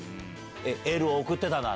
エールを送ってたの？